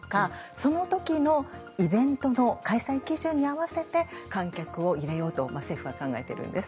その時のイベントの開催基準に合わせて観客を入れようと政府は考えているんです。